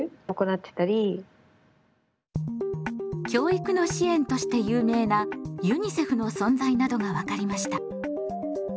教育の支援として有名なユニセフの存在などが分かりました。